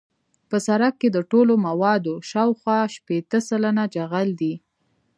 په سرک کې د ټولو موادو شاوخوا شپیته سلنه جغل دی